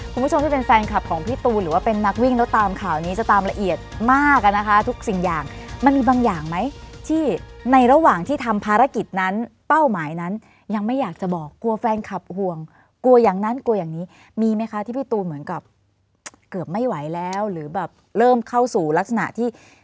คุณผู้ชมที่เป็นแฟนคลับของพี่ตูนหรือว่าเป็นนักวิ่งแล้วตามข่าวนี้จะตามละเอียดมากอะนะคะทุกสิ่งอย่างมันมีบางอย่างไหมที่ในระหว่างที่ทำภารกิจนั้นเป้าหมายนั้นยังไม่อยากจะบอกกลัวแฟนคลับห่วงกลัวอย่างนั้นกลัวอย่างนี้มีไหมคะที่พี่ตูนเหมือนกับเกือบไม่ไหวแล้วหรือแบบเริ่มเข้าสู่ลักษณะที่